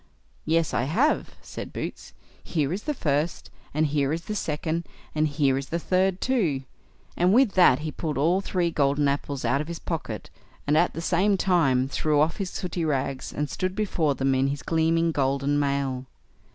"Yes, I have", said Boots; "here is the first, and here is the second, and here is the third too"; and with that he pulled all three golden apples out of his pocket, and at the same time threw off his sooty rags, and stood before them in his gleaming golden mail.